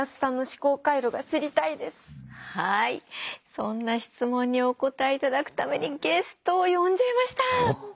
そんな質問にお答えいただくためにゲストを呼んじゃいました。